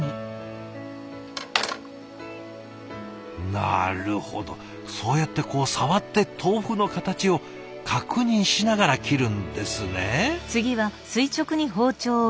なるほどそうやってこう触って豆腐の形を確認しながら切るんですね。